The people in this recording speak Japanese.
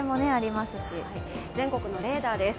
全国のレーダーです。